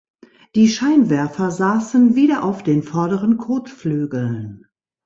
Die Scheinwerfer saßen wieder auf den vorderen Kotflügeln.